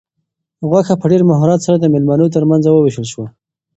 غوښه په ډېر مهارت سره د مېلمنو تر منځ وویشل شوه.